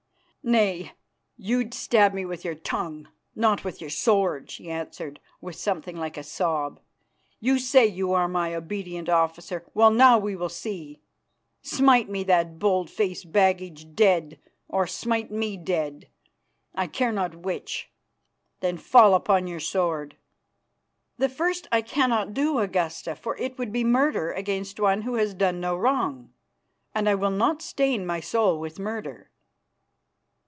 "Nay, you'd stab me with your tongue, not with your sword," she answered with something like a sob. "You say you are my obedient officer. Well, now we will see. Smite me that bold faced baggage dead, or smite me dead, I care not which, then fall upon your sword." "The first I cannot do, Augusta, for it would be murder against one who has done no wrong, and I will not stain my soul with murder."